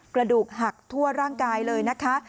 กระดูกหักทั่วร่างกายเลยนะคะ